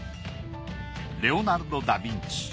レオナルド・ダ・ヴィンチ